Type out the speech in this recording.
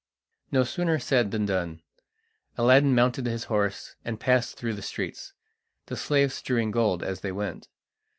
No sooner said than done. Aladdin mounted his horse and passed through the streets, the slaves strewing gold as they went.